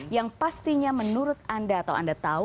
yang pastinya menurut anda atau anda tahu